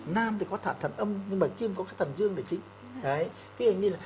nam thì có thận âm nhưng mà kiêm về thận dương là chính